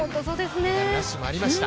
メダルラッシュもありました。